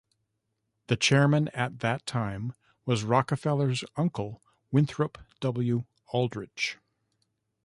The chairman at that time was Rockefeller's uncle Winthrop W. Aldrich.